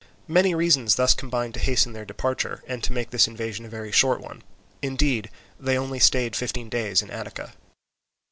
Many reasons thus combined to hasten their departure and to make this invasion a very short one; indeed they only stayed fifteen days in Attica.